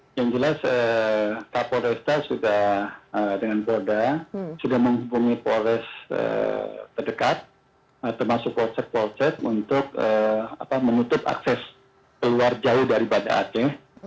ya yang jelas pak polresta sudah dengan boda sudah menghubungi polres terdekat termasuk polsek polsek untuk menutup akses keluar jauh dari bada aceh